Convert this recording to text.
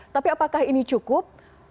tapi apakah ini cukup